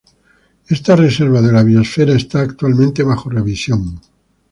Esta reserva de la biosfera está actualmente bajo revisión.